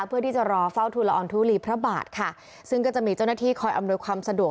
เพื่อที่จะรอเฝ้าทุลอองทุลีพระบาทค่ะซึ่งก็จะมีเจ้าหน้าที่คอยอำนวยความสะดวก